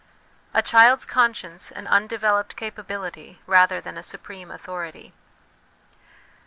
A Child's Conscience an Undeveloped Capa bility rather than a Supreme Authority.